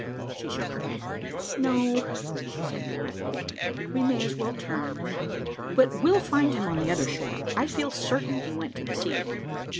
She shook her head. "No," she said regretfully. "We may as well turn. But we'll find him on the other shore. I feel certain he went to the sea."